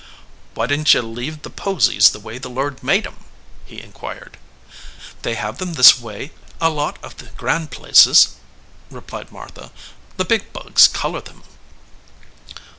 "Why didn t ye leave the posies the way the Lord made em?" he inquired. "They have them this way at a lot of the grand places," replied Martha. "The big bugs color them."